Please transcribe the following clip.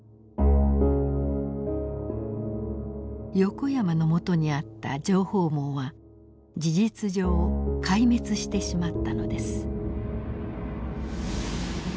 横山のもとにあった情報網は事実上壊滅してしまったのです。